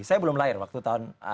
saya belum lahir waktu tahun enam puluh